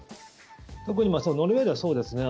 特にノルウェーではそうですね。